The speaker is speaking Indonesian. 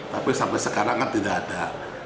tapi sampai sekarang kan tidak ada